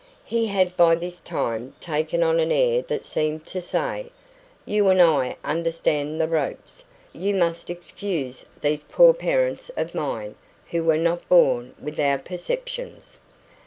He had by this time taken on an air that seemed to say: "You and I understand the ropes; you must excuse these poor parents of mine, who were not born with our perceptions."